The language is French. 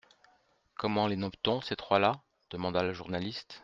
Comment les nomme-t-on, ces trois-là ? demanda le journaliste.